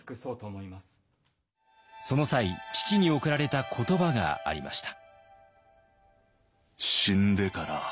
その際父におくられた言葉がありました。